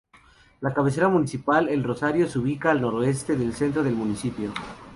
La cabecera municipal, El Rosario, se ubica al noroeste del centro del municipio.